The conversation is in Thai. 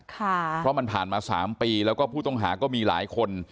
เพราะมันผ่านมา๓ปีแล้วก็ผู้ต้องหาก็มีหลายคน